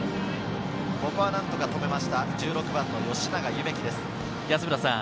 ここは何とか止めました、１６番・吉永夢希です。